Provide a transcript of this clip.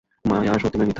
মায়া সত্য নয়, মিথ্যা।